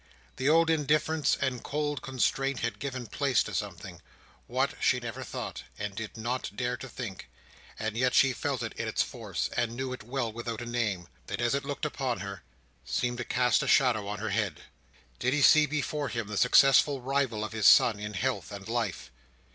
The old indifference and cold constraint had given place to something: what, she never thought and did not dare to think, and yet she felt it in its force, and knew it well without a name: that as it looked upon her, seemed to cast a shadow on her head. Did he see before him the successful rival of his son, in health and life?